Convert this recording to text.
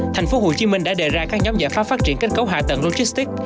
thành phố hồ chí minh đã đề ra các nhóm giải pháp phát triển kết cấu hạ tầng logistics